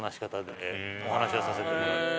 お話はさせてもらって。